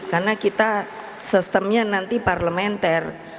karena kita sistemnya nanti parlementer